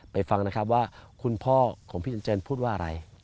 ฟังนะครับว่าคุณพ่อของพี่จันเจินพูดว่าอะไร